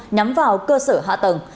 nhắm vào cơ sở hạ tầng